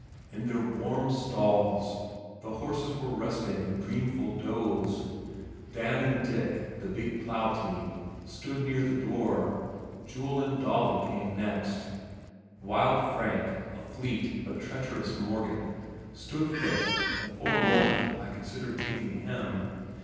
In their warm stalls the horses were resting in dreamful doze. Dan and Dick, the big plow team, stood near the door. Jule and Dolly came next. Wild Frank, a fleet but treacherous Morgan, stood fifth and for a moment I considered taking him.